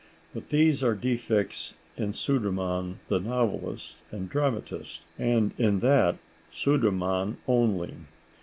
But these are defects in Sudermann the novelist and dramatist, and in that Sudermann only.